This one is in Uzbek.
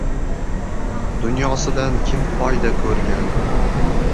Dunyosidan kim foyda ko‘rgan